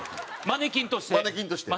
マネキンとして。